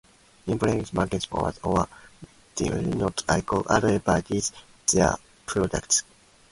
In practice, manufacturers or distributors, not Alko, advertise their products.